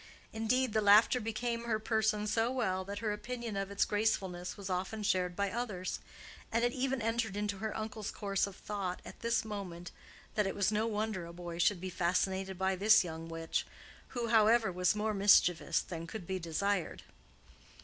Indeed, the laughter became her person so well that her opinion of its gracefulness was often shared by others; and it even entered into her uncle's course of thought at this moment, that it was no wonder a boy should be fascinated by this young witch—who, however, was more mischievous than could be desired.